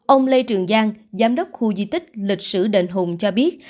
ông lê trường giang giám đốc khu di tích lịch sử đền hùng cho biết